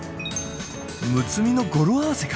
「むつみ」の語呂合わせか。